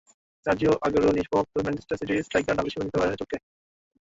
Sergio আগুয়েরোও নিষ্প্রভ, তবে ম্যানচেস্টার সিটির স্ট্রাইকার ঢাল হিসেবে নিতে পারেন চোটকে।